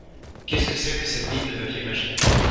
Qu’est-ce que c’est que cette mine de papier mâché ?